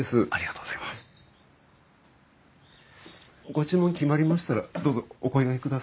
ご注文決まりましたらどうぞお声がけください。